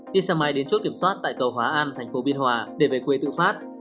đi xe máy đến chốt kiểm soát tại cầu hóa an thành phố biên hòa để về quê tự phát